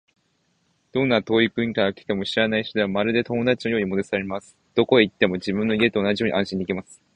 どんな遠い国から来た知らない人でも、まるで友達のようにもてなされます。どこへ行っても、自分の家と同じように安心できます。